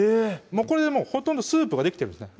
これでもうほとんどスープができてるんですね